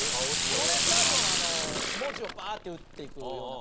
これ多分文字をバーッて打っていくような感じで。